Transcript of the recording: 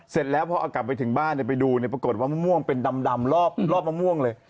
เสร็จแล้วพอเอากลับไปถึงบ้านไปดูปรากฏว่ามะม่วงเป็นดำรอบมะม่วงเลย